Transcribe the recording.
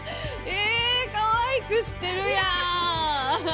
えかわいくしてるやん！